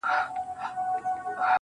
• چي پکي روح نُور سي، چي پکي وژاړي ډېر.